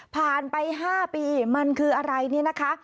ผ่านไป๕ปีมันคืออะไรเนี่ยนะคะ